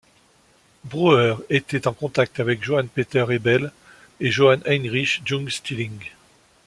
Brauer était en contact avec Johann Peter Hebel et Johann Heinrich Jung-Stilling.